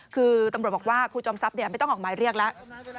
คือตำรวจบอกว่าครูจอมทรัพย์ไม่ต้องออกหมายเรียกแล้ว